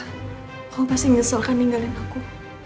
kamu pasti ngeselkan ninggalin aku